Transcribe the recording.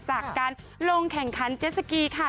จากการลงแข่งขันเจสสกีค่ะ